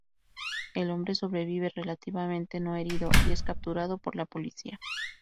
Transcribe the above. El hombre sobrevive, relativamente no herido, y es capturado por la policía.